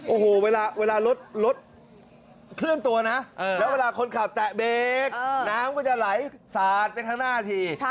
โอ้โหเวลารถเคลื่อนตัวนะแล้วเวลาคนขับแตะเบรกน้ำก็จะไหลสาดไปข้างหน้าที